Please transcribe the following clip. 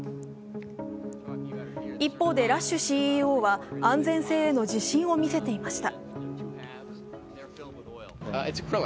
一方でラッシュＣＥＯは安全性への自信を見せていました。